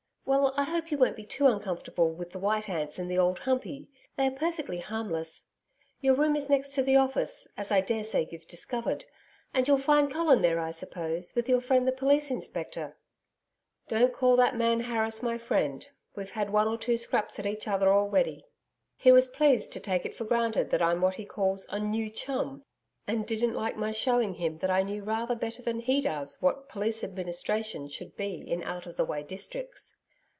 Well, I hope you won't be too uncomfortable with the white ants in the Old Humpey they are perfectly harmless. Your room is next to the office, as I daresay you've discovered. And you'll find Colin there I suppose, with your friend the Police Inspector.' 'Don't call that man Harris my friend. We've had one or two scraps at each other already. He was pleased to take it for granted that I'm what he calls a "new chum," and didn't like my shewing him that I knew rather better than he does what police administration should be in out of the way districts.'